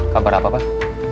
kabar apa pak